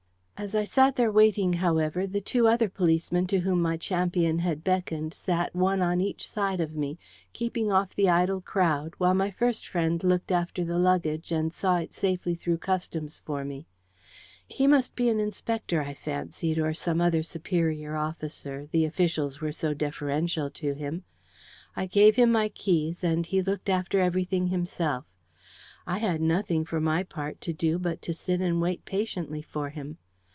As I sat there waiting, however, the two other policemen to whom my champion had beckoned sat one on each side of me, keeping off the idle crowd, while my first friend looked after the luggage and saw it safely through the Customs for me. He must be an Inspector, I fancied, or some other superior officer, the officials were so deferential to him. I gave him my keys, and he looked after everything himself. I had nothing, for my part, to do but to sit and wait patiently for him.